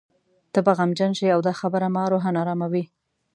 ته به غمجن شې او دا خبره ما روحاً اراموي.